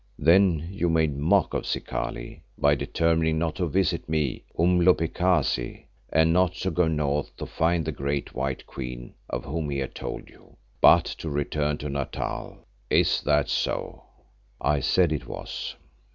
Then you made a mock of Zikali by determining not to visit me, Umhlopekazi, and not to go north to find the great white Queen of whom he had told you, but to return to Natal. Is that so?" I said it was.